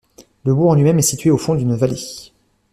Le bourg en lui-même est situé au fond d'une vallée.